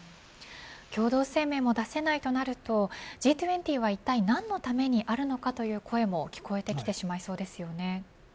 共同声明も出せないとなるとＧ２０はいったい何のためにあるのかという声も聞こえてきてしまいそうですよね。